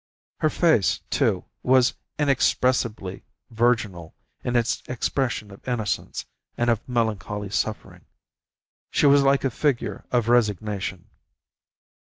Her face, too, was inexpressibly virginal in its expression of innocence and of melancholy suffering. She was like a figure of Resignation.